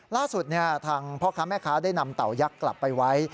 ล่าสุดทางพ่อค้าแม่ค้าได้นำเต่ายักษ์กลับไปไว้